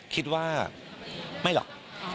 คิดว่าไม่หรอก